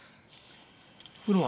風呂は？